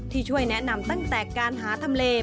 ที่ช่วยแนะนำตั้งแต่การหาทำเล